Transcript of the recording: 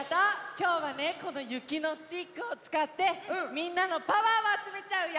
きょうはねこのゆきのスティックをつかってみんなのパワーをあつめちゃうよ！